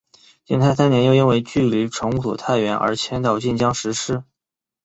景泰三年又因为距离崇武所太远而迁到晋江石狮。